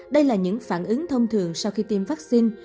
đây là những phản ứng thông thường sau khi tiêm vắc xin